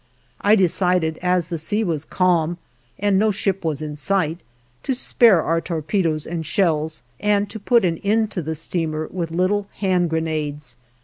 I decided, as the sea was calm and no ship was in sight, to spare our torpedoes and shells and to put an end to the steamer with little hand grenades.